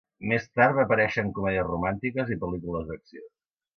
Més tard va aparèixer en comèdies romàntiques i pel·lícules d'acció.